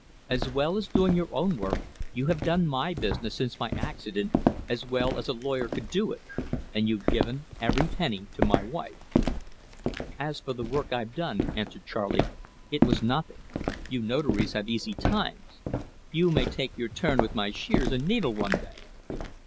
As well as doing your own work, you have done my business since my accident as well as a lawyer could do it; and you've given every penny to my wife." "As for the work I've done," answered Charley, "it was nothing you notaries have easy times. You may take your turn with my shears and needle one day."